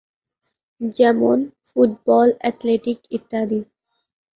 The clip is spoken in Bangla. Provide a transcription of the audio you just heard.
যেমনঃ ফুটবল, অ্যাথলেটিক ইত্যাদি।